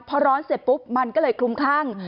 พอร้อนเสร็จปุ๊บมันก็เลยคลุมคลั่ง